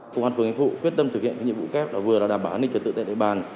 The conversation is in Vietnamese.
công an phường yên phụ quyết tâm thực hiện nhiệm vụ kép vừa là đảm bảo hành định trật tự tại đại bàn